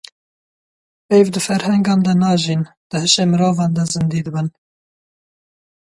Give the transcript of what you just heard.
Peyv di ferhengan de najîn, di hişê mirovan de zindî dibin.